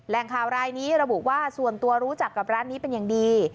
ข่าวรายนี้ระบุว่าส่วนตัวรู้จักกับร้านนี้เป็นอย่างดี